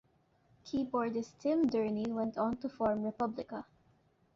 Keyboardist Tim Dorney went on to form Republica.